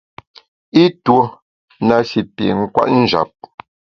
I tuo na shi pi kwet njap.